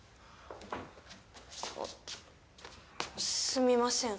あっすみません。